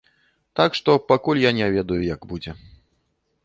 Так што, пакуль я не ведаю, як будзе.